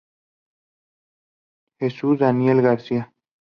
Jesús Daniel García